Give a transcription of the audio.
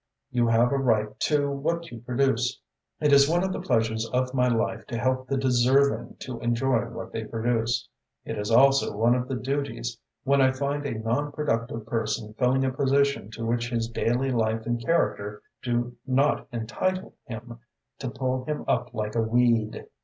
You have a right to what you produce. It is one of the pleasures of my life to help the deserving to enjoy what they produce. It is also one of the duties, when I find a non productive person filling a position to which his daily life and character do not entitle him, to pull him up like a weed.